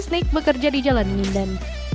kesnik bekerja di jalan minden